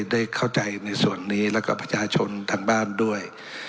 ได้เข้าใจในส่วนนี้แล้วก็ประชาชนทางบ้านด้วย